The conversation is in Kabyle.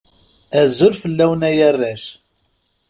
Azul fell-awen a arrac.